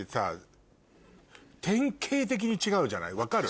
典型的に違うじゃない分かる？